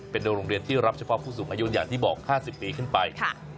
เป็นโรงเรียนที่รับเฉพาะผู้สูงอายุอย่างที่บอก๕๐ปีขึ้นไป